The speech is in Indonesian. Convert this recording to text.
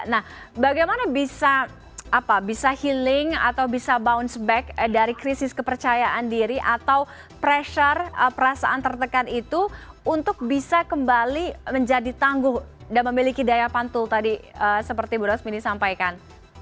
nah bagaimana bisa healing atau bisa bounce back dari krisis kepercayaan diri atau pressure perasaan tertekan itu untuk bisa kembali menjadi tangguh dan memiliki daya pantul tadi seperti bu rosmini sampaikan